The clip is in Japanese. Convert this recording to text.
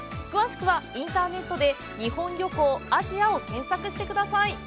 詳しくは、インターネットで「日本旅行アジア」を検索してください！